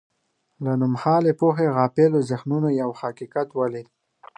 له نومهالې پوهې غافلو ذهنونو یو حقیقت ولید.